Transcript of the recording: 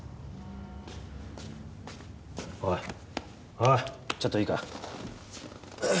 おいおいちょっといいか？